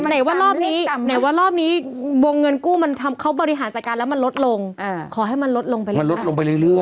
ไหนว่ารอบนี้วงเงินกู้มันทำเขาบริหารจากการแล้วมันลดลงขอให้มันลดลงไปเรื่อย